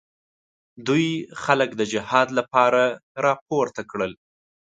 دوی خلک د جهاد لپاره راپورته کړل.